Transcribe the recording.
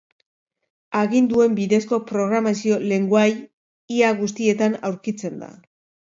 Aginduen bidezko programazio lengoai ia guztietan aurkitzen da.